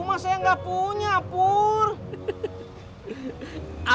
masa yang gak punya pura